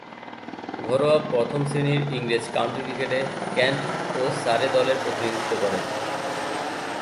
ঘরোয়া প্রথম-শ্রেণীর ইংরেজ কাউন্টি ক্রিকেটে কেন্ট ও সারে দলের প্রতিনিধিত্ব করেন।